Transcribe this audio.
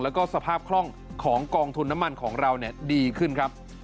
แล้วก็สภาพคล่องของกองทุนน้ำมันของเราดีขึ้นครับ